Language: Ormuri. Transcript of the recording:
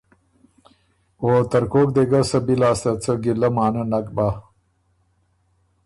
او ترکوک دې ګه سۀ بی لاسته څه ګیلۀ مانۀ نک بۀ۔